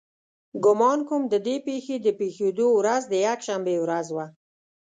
ګمان کوم د دې پېښې د پېښېدو ورځ د یکشنبې ورځ وه.